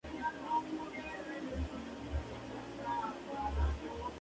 Se encuentra en el Papúa Occidental, Indonesia y Papúa Nueva Guinea